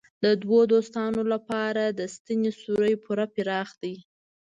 د دوو دوستانو لپاره د ستنې سوری پوره پراخ دی.